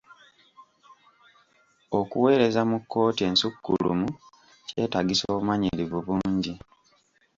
Okuweereza mu kkooti ensukkulumu kyetaagisa obumanyirivu bungi.